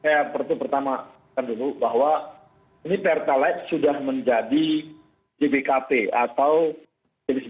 ya saya pertama tama katakan dulu bahwa ini pertalite sudah menjadi gbkp atau gbcp